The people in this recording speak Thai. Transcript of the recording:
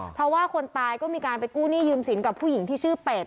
เพราะว่าคนตายก็มีการไปกู้หนี้ยืมสินกับผู้หญิงที่ชื่อเป็ด